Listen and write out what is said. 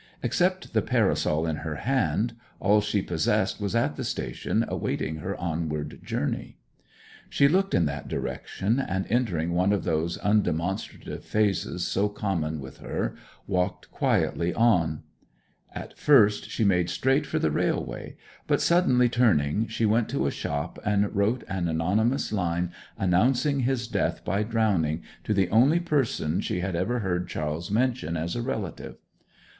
Except the parasol in her hand, all she possessed was at the station awaiting her onward journey. She looked in that direction; and, entering one of those undemonstrative phases so common with her, walked quietly on. At first she made straight for the railway; but suddenly turning she went to a shop and wrote an anonymous line announcing his death by drowning to the only person she had ever heard Charles mention as a relative.